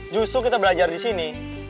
justru kita belajar di sini